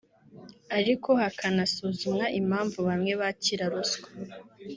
ariko hakanasuzumwa impamvu bamwe bakira ruswa